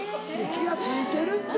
気が付いてるって！